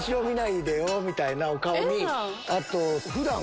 みたいなお顔に。